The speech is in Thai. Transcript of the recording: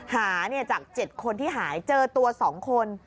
หาจาก๗คนที่หายเจอตัว๒คน